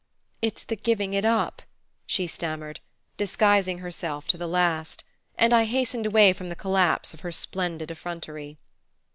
"It's the giving it up " she stammered, disguising herself to the last; and I hastened away from the collapse of her splendid effrontery.